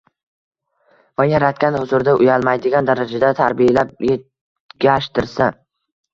va Yaratgan huzurida uyalmaydigan darajada tarbiyalab yegashtirsa